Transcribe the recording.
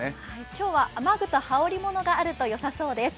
今日は雨具と羽織物があるそよさそうです。